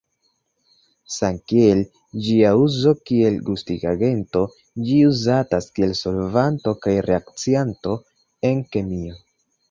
Samkiel ĝia uzo kiel gustigagento, ĝi uzatas kiel solvanto kaj reakcianto en kemio.